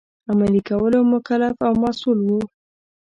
عملي کولو مکلف او مسوول وو.